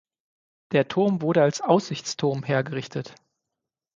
Der Turm wurde als Aussichtsturm hergerichtet.